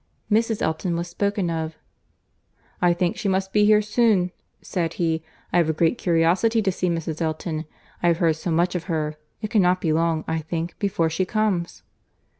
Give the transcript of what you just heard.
Mrs. Elton was spoken of. "I think she must be here soon," said he. "I have a great curiosity to see Mrs. Elton, I have heard so much of her. It cannot be long, I think, before she comes."